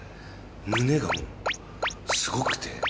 胸がもうすごくて。